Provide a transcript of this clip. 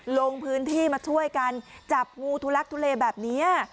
ลงพื้นที่มาช่วยกันจับงูทุลักทุเลแบบนี้